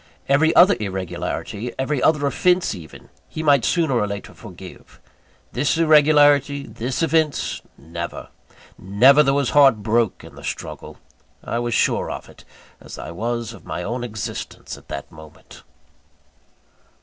Every other irregularity every other offence even he might sooner or later forgive. This irregularity, this offence, never never, though his heart broke in the struggle. I was as sure of it, as I was of my own existence at that moment.